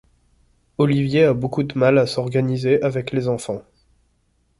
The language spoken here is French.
Oliver a beaucoup de mal à s'organiser avec les enfants.